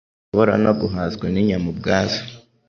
ridashobora no guhazwa n’inyama ubwazo,